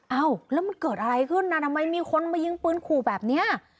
เอ้าแล้วมันเกิดอะไรขึ้นน่ะทำไมมีคนมายิงปืนขู่แบบนี้